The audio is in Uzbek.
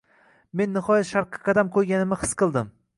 Men nihoyat sharqqa qadam qo‘yganimni his qildim.